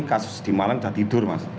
kasus dimalang sudah tidur mas